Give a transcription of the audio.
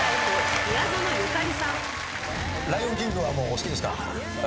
『ライオン・キング』はもうお好きですか？